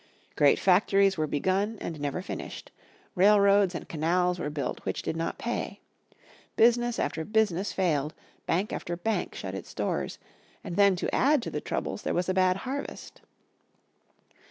Great factories were begun and never finished, railroads and canals were built which did not pay. Business after business failed, bank after bank shut its doors, and then to add to the troubles there was a bad harvest.